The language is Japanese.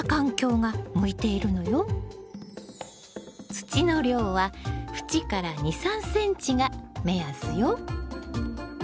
土の量は縁から２３ｃｍが目安よ。